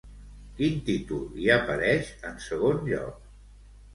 Quin títol hi apareix, en segon lloc?